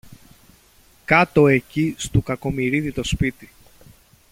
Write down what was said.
Κάτω εκεί, στου Κακομοιρίδη το σπίτι